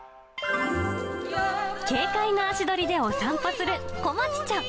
軽快な足取りでお散歩する、こまちちゃん。